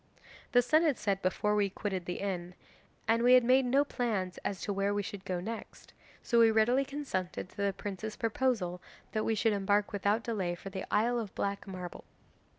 'The sun had set before we quitted the inn, and we had made no plans as to where we should go next, so we readily consented to the prince's proposal that we should embark without delay for the Isle of Black Marble.